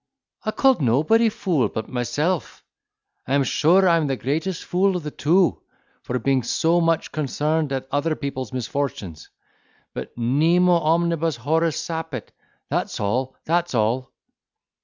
I called nobody fool but myself; I am sure I am the greatest fool of the two, for being so much concerned at other people's misfortunes; but 'Nemo omnibus horis sapit'—that's all, that's all."